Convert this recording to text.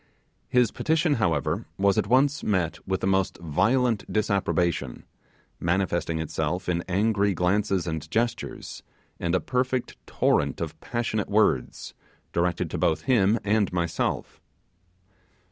His petition, however, was at once met with the most violent disapprobation, manifesting itself in angry glances and gestures, and a perfect torrent of passionate words, directed to both him and myself.